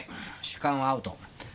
主観はアウト。